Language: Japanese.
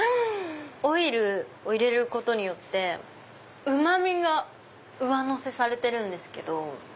オイルを入れることによってうまみが上乗せされてるんですけど。